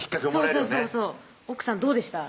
そうそうそうそう奥さんどうでした？